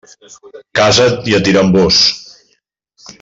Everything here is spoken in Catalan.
Casa't, i et diran vós.